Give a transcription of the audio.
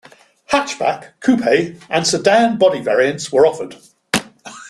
Hatchback, coupe, and sedan body variants were offered.